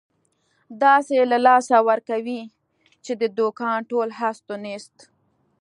داسې له لاسه ورکوې، چې د دوکان ټول هست او نیست.